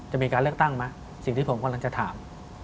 จะมีการเลือกตั้งไหมสิ่งที่ผมกำลังจะถาม